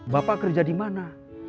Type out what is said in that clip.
bapak kerja dimana